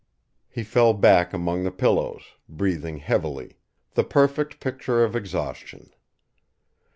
He fell back among the pillows, breathing heavily, the perfect picture of exhaustion.